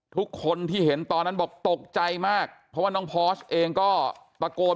ทุกคนที่เห็นตอนนั้นบอกตกใจมากเพราะว่าน้องพอสเองก็ตะโกน